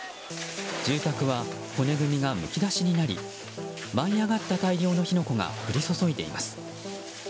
住宅は骨組みがむき出しになり舞い上がった大量の火の粉が降り注いでいます。